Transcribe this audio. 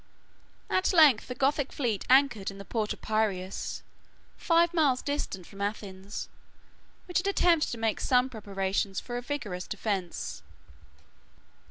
At length the Gothic fleet anchored in the port of Piræus, five miles distant from Athens, 122 which had attempted to make some preparations for a vigorous defence.